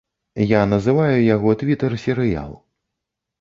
Я называю яго твітэр-серыял.